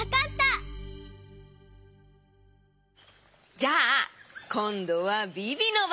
じゃあこんどはビビのばん。